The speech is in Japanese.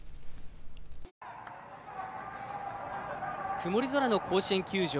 曇り空の甲子園球場。